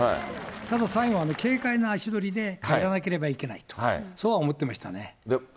ただ、最後は軽快な足取りでやらなければいけないと、そうは思ってましたね。